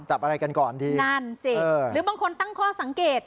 จับอะไรกันก่อนดีนั่นสิหรือบางคนตั้งข้อสังเกต